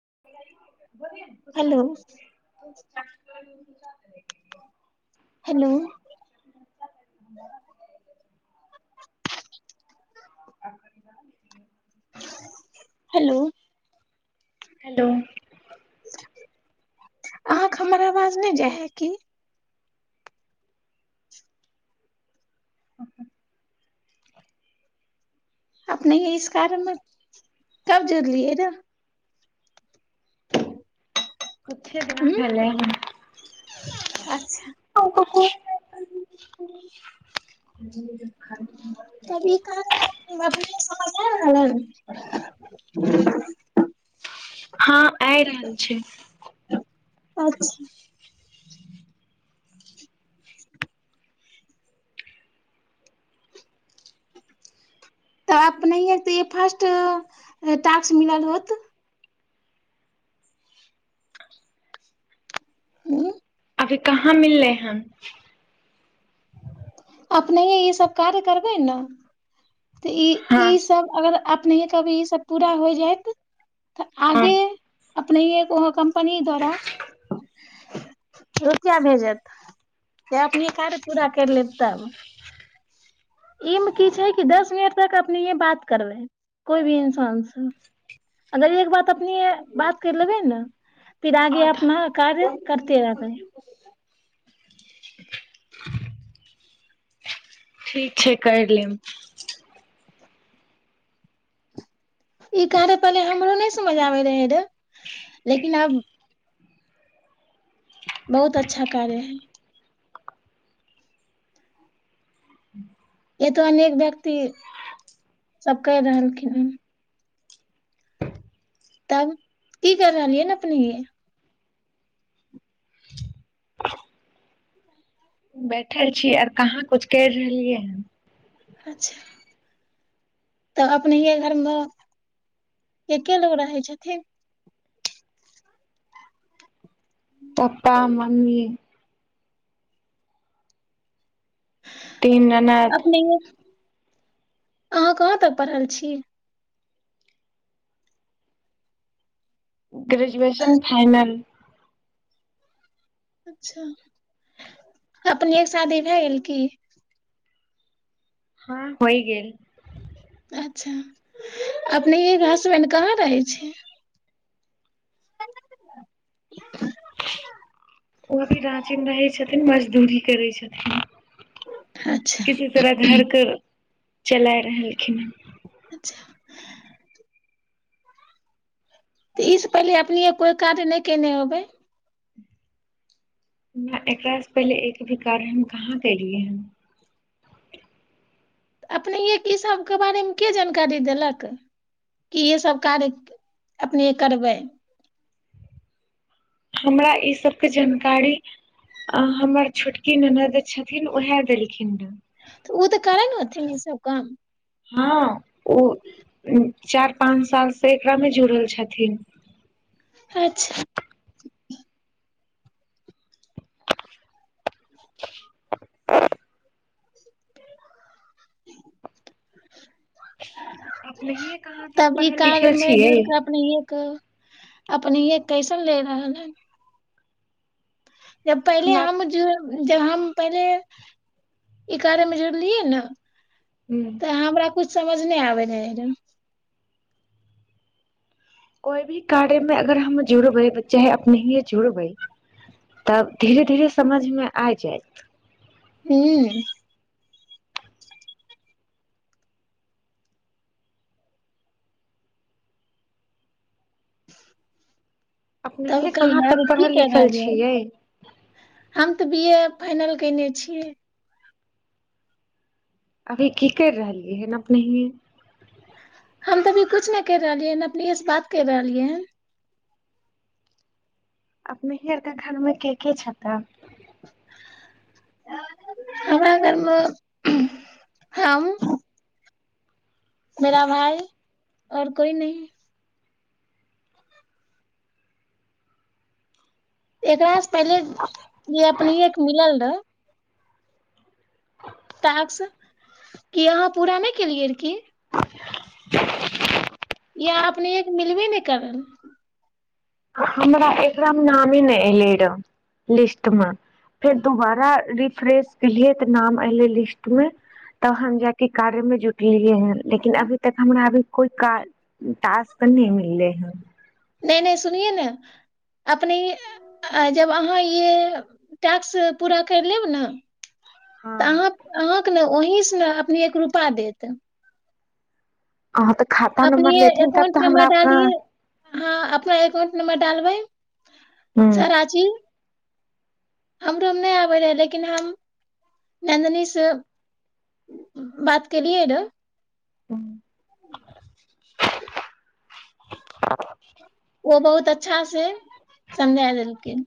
[unintelligible] Hello [unintelligible] hello आ hello hello अहाँके हमर आवाज नहि जाइ है की ह ह अपने इस कारणमे कब जुड़लियए ने किछ दिन ह भेल अच्छा ह क [unintelligible] की क ह हँ आ रहल छै अच्छा तऽ नहि फर्स्ट ्क मिलल होत हू अभी कहाँ मिल रहेै ह अपने ईसभ कार्य करबै ने तऽ ई हँ ई सभ अगर ने कभी ई सब पूरा हो जायत तऽ हँ आगे अपने ओ कम्पनी द्वारा रुपआ भेजत जे अपने कार्य पूरा कर लेत तब ई मे की छै कि दस मिनट तक अपने य बात करबै कोइ भी इन्सानसँ अगर एक बात अपने बात कर लेबै ने फिर आगे आधा अपना कार्य करते रहबै ठीक छै करि लेब ई कार पहिले हमरो नहि समझ आबे रहे रे लेकिन अब बहुत अच्छा कार्य है ह एतो अनेक व्यक्ति सब कहि रहलखिन हन [unintelligible] तब की कर रहलियै ने अपने बैठल छी आर कहाँ कुछु करि रहलियै हन चछा तऽ अपनेे घरमे एक्े लोग रहै छथिन तपा म्मी तीन अनाथ अपनेये अहाँ कहाँ तक पढ़ल छी ग्रेजुएशन फाइनल अच्छा अपने एक शादी भए गेल की हँ होइ गेल अच्छा अपने हसबैंड कहाँ रहै छी [unintelligible] ओ अभी रचीमे रहै छथिन न मजदूरी करै छथिन अच्छा किसी तरह घरके चलाय रहलखिन हँ अचछा तऽ ईसँ पहिले अपने कोइ काज नहि कयने होबै नहि एकरासँ पहिले एक भी कार्य हम कहाँ कलियै हन अपनेएके इसभके बारेमे के जानकारी देलक कि इसभ कार्य अपने करबै हमरा ई सबके जानकारी हमर छोटकी ननद छथिन उएह देलखिन रहे ऽ ओ तऽ करै नेथि सब काम हँ ओ चारि पाँच सालसँ एकरामे जुड़ल छथिन अच्छा [unintelligible] आ नहिए कहाँ तक तब ई पढ़ल कार्य लिखल छियै अपने य कैसन ले रहल है से पल हमरा आ जब हम पहिले ई कार्य मे जोड़लियै ने ह तऽ हमरा कुछ समझ अ आबन कोइ भी कार्यमे अगर हम जुड़बै चाहे अपनेए जुड़बै तब धीरे धीरे समझमे आब जायत हू तब अपनेए कहाँ कहियै तक आब की पढ़ल कहि लिखल रहलियै छियै हम तऽ बी ए फाइनल केने छियै अभी की कर रहलियै है न अपने हम तऽ अभी कुछ नहि कर रहलियै ह अपने से बात कर रहलियै ह अपने हरके घरमे के के छ त हमरा घरमे हम मेरा भाय आऔर कोइ न एकरा पहिले जे अपने एक मिलल रह तक क अहाँ पूरा नहि केलियै र की य अपने एक मिलबे नहि करल हमरा एकरामे नााम नहि एले र लिस्ट मे फेर दुोबारा रिफ्रेश केलियै तऽ नाम एले लिस्ट मे तब हम जाक कार्यमे जुटलियै ह लेकिन अभी तक हमरा अभी कोइ कार ास तऽ नहि मिले है अपने जब अहाँ य टैक्स पूरा कर लेब ने तऽ हँ अहाँ अहाँके ने ओहिी से ने अपने एक रूपा देत अहाँ तऽ खाता अपने नम्बर लेथिन तब एकाउंट तऽ नं्बर हमरा डालिए ह हँ अपना एककाउंट नं्बर डालबइ सराची हमरोमे नहि आबै रहए लेकिन हम नन्दनीसँ बात केलियै रहऽ ह [unintelligible] ओ बहुत अच्छा से समझा देलखिन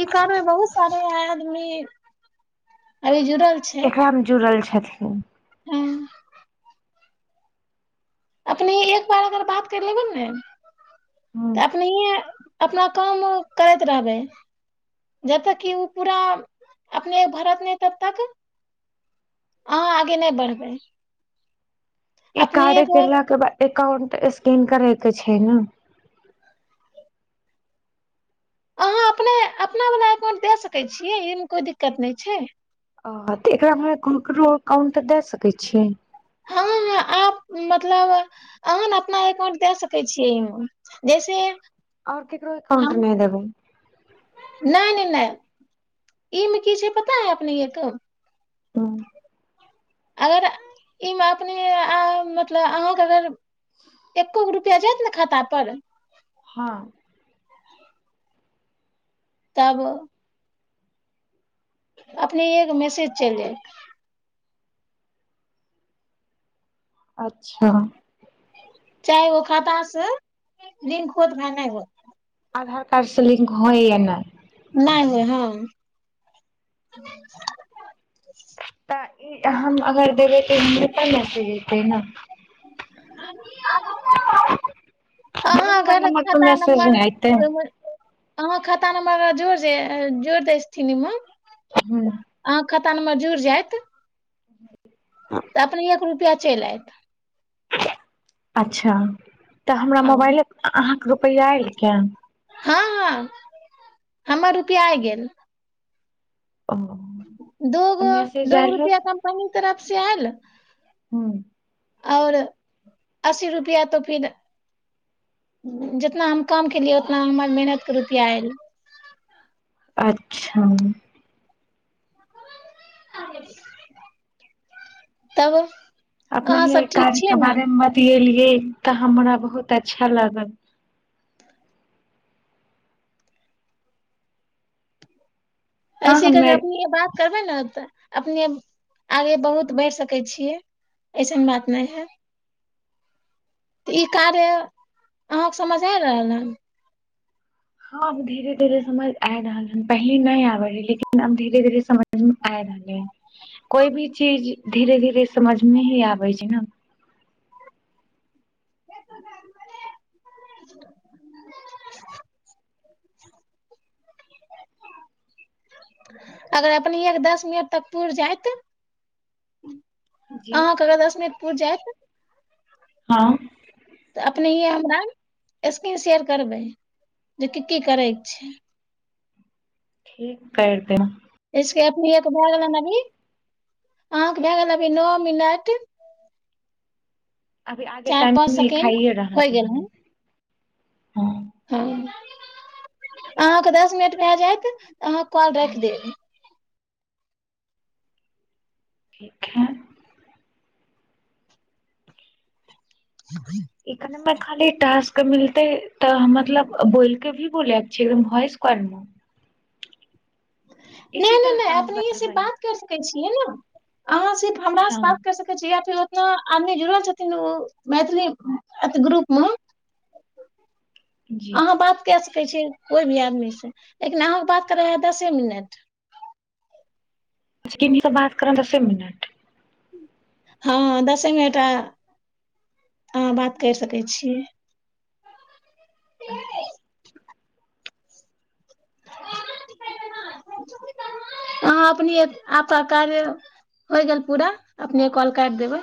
ई कार बहुत सारे हैं आदमी अरे एकरा मे जुड़ल छी हथ हँ अपने एक बार अगर बात करि लेबै ने तऽ अपने अपना काम करैत रहबै जब तक कि ओ पूरा अपने भरत नहि तब तक अहाँ आगे नहि बढ़बै ई अपने कारे के गरलााके बाद अाउंट स्कैन करैके छै ने अहाँ अपने अपना वला एकाउंट दए सकैत छियै एहिमे कोइ दिक्कत नहि छै ओ तऽ एकरामे हम कको अकाउंट दए सकैत छियै हँ ह आ मतलब अहन अपना एकाउंट द सकै छियैमे जैसे आओर ककरो एकाउंट हम नहि देबै नहि नहि नहि ई मे की छै पता है अपने एक तऽ अगर ईमे अपने मतलब अहके अगर एको गो रुपैआ जायत ने खाता परर हँ तब अपने एक मैसेज चल जाे अच्छा चाहे ओो खातास दिन ख होत भा नहि आधार कार्ड से लिंक होइय ने नहि नहि हँ तऽ ई हम अगर देबै तऽप त ने हमरे मोबाइल अर नम्बर पर खाता मैसेज नर नै एतै तान मग जोरज जोर दैसथिीन निम हँ तन म जूर जायइत तऽ अपने एक रुपआ चलि आयत अच्छा तऽ हमरा हँ मोबाइले अहाँके रुपैआ एयलखै हँ हँ हमर रुपआ आ गेल ओ तऽ दोगो मैसेज दोगो आयल रुपआ कम कमी तऽ रसी आयल ह्म आओर अस्सी रुपआ तो फिर जितना हम काम केलियै उतना हमर मेहनत के रुपआ आयल अच्छा तब अपने अहाँ ह सब ठीक कार्य छियै के ने बारेमे बतए लि गेल तऽ हमरा बहुत अच्छा लागल हँ ऐसे कर हमे अपने बात करबै ने तऽ अपने आगे बहुत बढ़ि सकै छियै अऐसन बात नहि है तऽ ई कार्य अहाँके समझ आ रहल हन हँ अब धीरे धीरे समझ आय रहल हन पहिले नहि आबे रहै लेकिन आब धीरे धीरे समझमे आय रहलै ह कोई भी चीज धीरे धीरे समझमे ही आबे छै ने [unintelligible] अगर अपने एक दस मिनट तक ुर जायत जी अहाँ कग दस मिनट पुर जायत हँ तऽ अपहिए हमरा स्क्रीन शेयर करबै जे की की करयके छै ठीक कतै जस अपनेके भए गेलनि अभी अहाँके भए गेल अभी नओ मिनट अभी आगे चारि टाइम पाँच मे सेकेंड खाययए रहल होइ गेल ह हन हँ हँ अहाँके दस मिनट भए जायत अहाँ कॉल राखि देब। ठीक है ई मे खालीक कऽ मिलतै तऽ मतलब बोलके भी ब एकदम भॉस कमे नहि नहि नहि काम अपने से करबै बात कर सकै छियै ने अहाँ सिफ हमरा से हँ बात कर सकै छी या फिर आदमी जुड़ल छथिन ओ मैथिली ग्रुप म जी अहाँ बात क स ै कोई भी आदमी से लेकिन अहाँके बात करे है दसे मिनट ी त बात कर दसे मिनट हँ दसे म टा अहाँ बात करि सकै छियै अ अपने आप कार्य होइ गेल पूरा अपने कॉल करि देबै